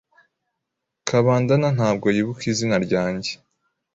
Kabandana ntabwo yibuka izina ryanjye.